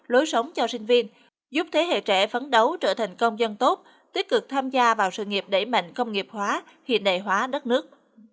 lối sống cho sinh viên giúp thế hệ trẻ phấn đấu trở thành công dân tốt tích cực tham gia vào sự nghiệp đẩy mạnh công nghiệp hóa hiện đại hóa đất nước